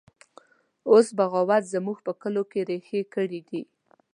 اوس بغاوت زموږ په کلو کې ریښې کړي دی